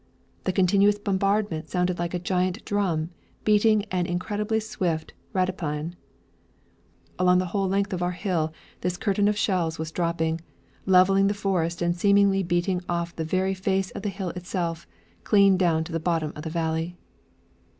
The continuous bombardment sounded like a giant drum beating an incredibly swift rataplan. Along the whole length of our hill this curtain of shells was dropping, leveling the forest and seemingly beating off the very face of the hill itself, clean down to the bottom of the valley.